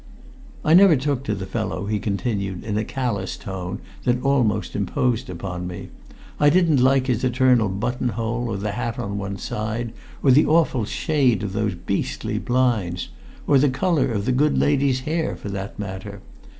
"I never took to the fellow," he continued, in a callous tone that almost imposed upon me. "I didn't like his eternal buttonhole, or the hat on one side, or the awful shade of their beastly blinds, or the colour of the good lady's hair for that matter!